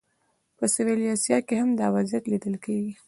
په سویلي اسیا کې هم دا وضعیت لیدل کېږي.